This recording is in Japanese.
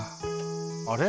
あれ？